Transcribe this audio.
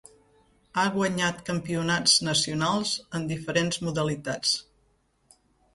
Ha guanyat campionats nacionals en diferents modalitats.